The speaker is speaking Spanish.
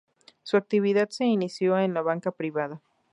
Su actividad se inició en la banca privada.